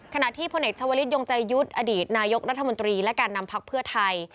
ขณะที่พลเอกชาวลิศยงใจยุทธ์อดีตนายกรัฐมนตรีและการนำพักเพื่อไทย